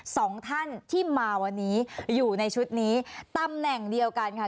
สองท่านที่มาวันนี้อยู่ในชุดนี้ตำแหน่งเดียวกันค่ะ